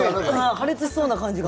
破裂しそうな感じが。